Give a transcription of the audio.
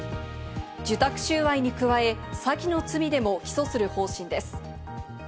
受託収賄に加え、詐欺の罪でも起訴する方針です。